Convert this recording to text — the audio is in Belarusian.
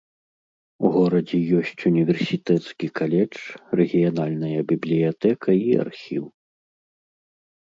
У горадзе ёсць універсітэцкі каледж, рэгіянальная бібліятэка і архіў.